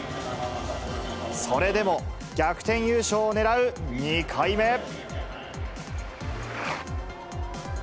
それでも、逆転優勝をねらう２回目。